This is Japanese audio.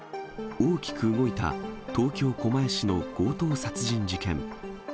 大きく動いた東京・狛江市の強盗殺人事件。